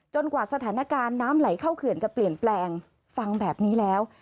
กว่าสถานการณ์น้ำไหลเข้าเขื่อนจะเปลี่ยนแปลงฟังแบบนี้แล้ว